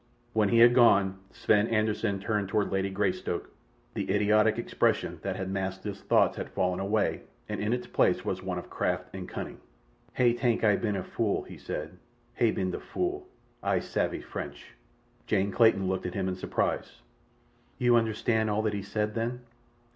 When he had gone, Sven Anderssen turned toward Lady Greystoke—the idiotic expression that had masked his thoughts had fallen away, and in its place was one of craft and cunning. "Hay tank Ay ban a fool," he said. "Hay ben the fool. Ay savvy Franch." Jane Clayton looked at him in surprise. "You understood all that he said, then?"